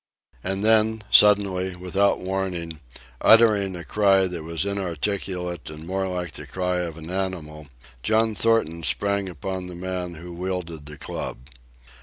And then, suddenly, without warning, uttering a cry that was inarticulate and more like the cry of an animal, John Thornton sprang upon the man who wielded the club.